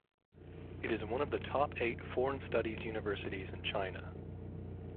It is one of the top eight foreign studies universities in China.